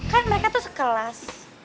kan mereka tuh sekelas